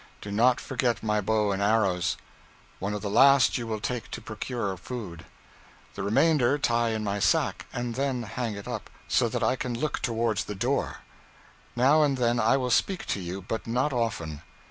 Do not forget my bow and arrows. One of the last you will take to procure food. The remainder, tie in my sack, and then hang it up, so that I can look towards the door. Now and then I will speak to you, but not often.'